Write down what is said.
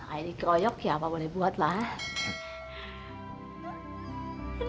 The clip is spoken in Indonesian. airi koyok ya apa boleh buat lah